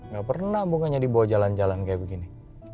gak pernah bunganya dibawa jalan jalan kaya begini